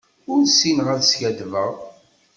Ur ssineɣ ad skaddbeɣ.